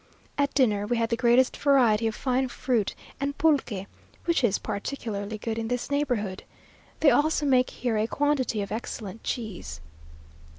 At dinner we had the greatest variety of fine fruit, and pulque, which is particularly good in this neighbourhood. They also make here a quantity of excellent cheese.